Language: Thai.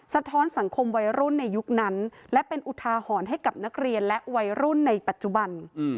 สะท้อนสังคมวัยรุ่นในยุคนั้นและเป็นอุทาหรณ์ให้กับนักเรียนและวัยรุ่นในปัจจุบัน